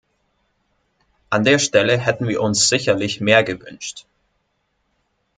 An der Stelle hätten wir uns sicherlich mehr gewünscht.